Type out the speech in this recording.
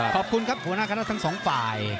ขอบคุณครับหัวหน้าคณะทั้งสองฝ่าย